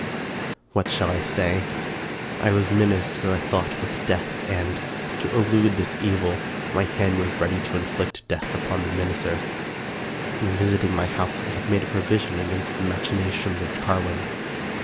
What shall I say? I was menaced, as I thought, with death, and, to elude this evil, my hand was ready to inflict death upon the menacer. In visiting my house, I had made provision against the machinations of Carwin.